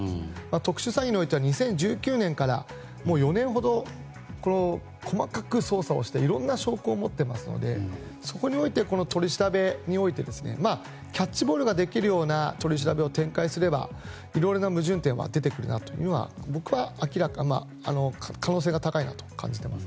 特殊詐欺は、２０１９年から４年ほど、細かく捜査をしていろんな証拠を持っていますのでそこにおいてこの取り調べにおいてキャッチボールができるような取り調べを展開すればいろいろな矛盾点は出てくるということは僕は、可能性が高いなと感じています。